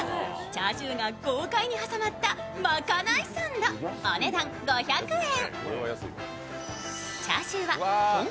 チャーシューが豪快に挟まったまかないサンドお値段５００円。